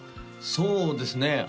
そうですね